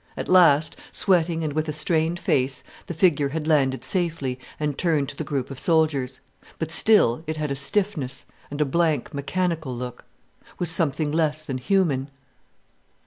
At last, sweating and with a strained face, the figure had landed safely and turned to the group of soldiers. But still it had a stiffness and a blank, mechanical look, was something less than human.